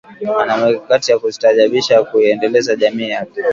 Ana mikakati ya kustaajabisha ya kuiendeleza jamii yake